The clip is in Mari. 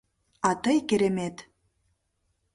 — А тый — керемет!